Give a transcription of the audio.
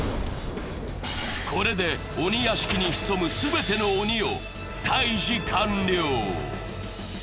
これで鬼屋敷に潜む全ての鬼を退治完了。